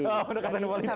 oh pendekatan politik